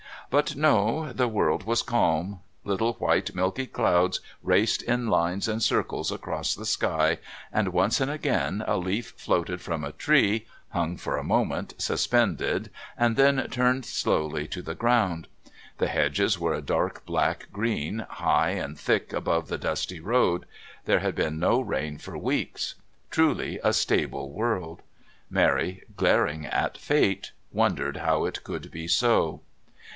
But no, the world was calm. Little white milky clouds raced in lines and circles across the sky, and once and again a leaf floated from a tree, hung for a moment suspended, and then turned slowly to the ground. The hedges were a dark black green, high and thick above the dusty road; there had been no rain for weeks. Truly a stable world. Mary, glaring at Fate, wondered how it could be so.